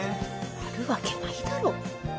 あるわけないだろ。